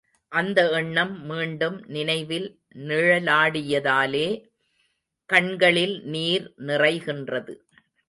அந்த எண்ணம் மீண்டும் நினைவில் நிழலாடியதாலே கண்களில் நீர் நிறைகின்றது.